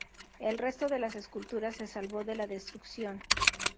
El resto de las esculturas se salvó de la destrucción.